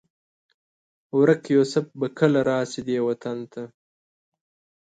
ورک یوسف به کله؟ راشي دې وطن ته